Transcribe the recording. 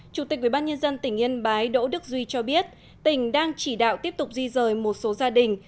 chủ tịch ubnd tỉnh yên bái đỗ đức duy cho biết tỉnh đang chỉ đạo tiếp tục di rời một số gia đình